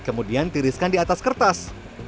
kemudian tiriskan di atas kertas